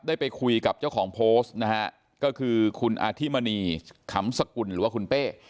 ไปคุยกับเจ้าของโพสต์นะฮะก็คือคุณอธิมณีขำสกุลหรือว่าคุณเป้